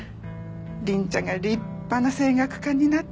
凛ちゃんが立派な声楽家になって。